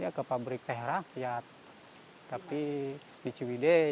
ya ke pabrik teh rakyat tapi di ciwide